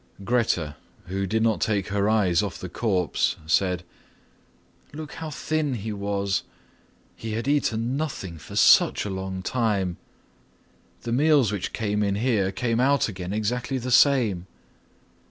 Grete, who did not take her eyes off the corpse, said, "Look how thin he was. He had eaten nothing for such a long time. The meals which came in here came out again exactly the same."